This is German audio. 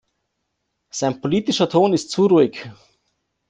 Sein politischer Ton ist zu ruhig.